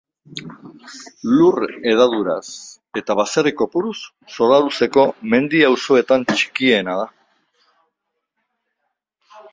Lur hedaduraz eta baserri kopuruz Soraluzeko mendi auzoetan txikiena da.